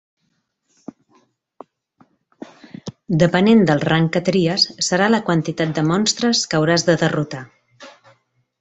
Depenent del rang que tries serà la quantitat de monstres que hauràs de derrotar.